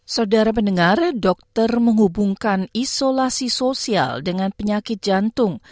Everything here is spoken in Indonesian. saudara mendengar dokter menghubungkan isolasi sosial dengan penyakit jantung